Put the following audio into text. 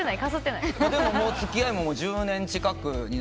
でも付き合いも１０年近くに。